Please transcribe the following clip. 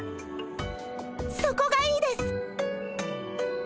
そこがいいです！